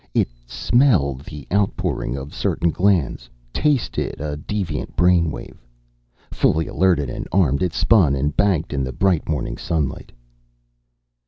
It smelled the outpouring of certain glands, tasted a deviant brain wave. Fully alerted and armed, it spun and banked in the bright morning sunlight.